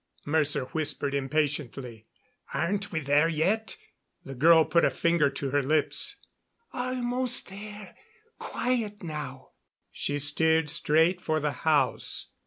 Mercer whispered impatiently. "Aren't we there yet?" The girl put a finger to her lips. "Almost there. Quiet now." She steered straight for the house.